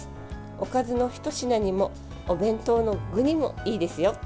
おかずのひと品にもお弁当の具にもいいですよ。